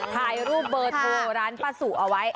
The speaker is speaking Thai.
ถ่ายรูปเบอร์โทรร้านป้าสุเอาไว้